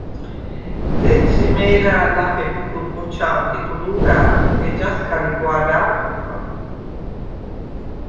დეცჟი მე̄რა̄̈ლ ლახე ბიქურ ხოჩა̄მდ იყლუ̄რა̄̈ლხ, ეჯას ქა ლიგვა̄ლა̄̈ლ ხოხა.